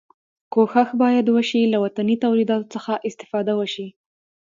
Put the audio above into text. کوښښ باید وشي له وطني تولیداتو څخه استفاده وشي.